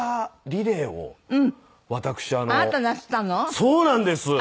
そうなんです。